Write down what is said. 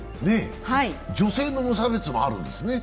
女性の無差別もあるんですね。